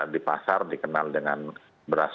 di pasar dikenal dengan beras